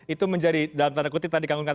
itu menjadi dalam tanda kutip tadi kang uunkan